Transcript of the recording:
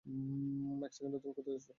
এক সেকেন্ড, তুমি কোথায় যাচ্ছ?